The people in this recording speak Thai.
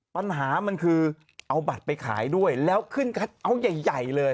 ปัญหามันคือเอาบัตรไปขายด้วยแล้วขึ้นเอาท์ใหญ่เลย